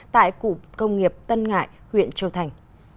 tại cụ công nghiệp tân ngại huyện châu thành